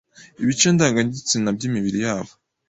ibice ndangagitsina by'imibiri yabo